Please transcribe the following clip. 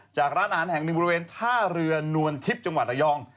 จากร้านอาหารแห่ง๑บริเวณ๕เรือนนวลทิพย์จังหวัดอายอง